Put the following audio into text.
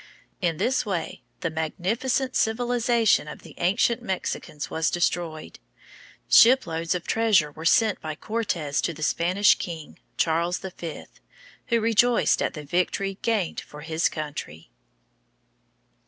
In this way the magnificent civilization of the ancient Mexicans was destroyed. Shiploads of treasures were sent by Cortes to the Spanish king, Charles V., who rejoiced at the glory gained for his country.